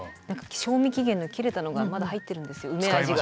賞味期限の切れたのがまだ入ってるんですよ梅味が。